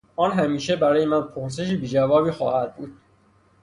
آن همیشه برای من پرسش بیجوابی خواهد بود.